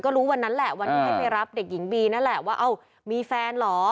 รู้วันนั้นแหละวันที่ให้ไปรับเด็กหญิงบีนั่นแหละว่าเอ้ามีแฟนเหรอ